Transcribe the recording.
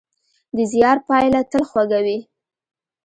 د زیار پایله تل خوږه وي.